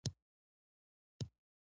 ښایي همدا د اصحاب کهف دقیق موقعیت وي.